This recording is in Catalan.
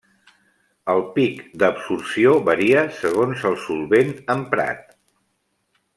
El pic d'absorció varia segons el solvent emprat.